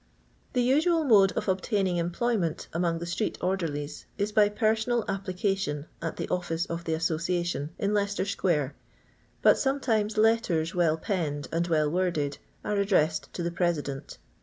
The usual mode of obtaining employment among the street orderlies is by personal application at the office of the Association in Leicester square; but sometimes letters, well penned and wel^ worded, are addressed to the president.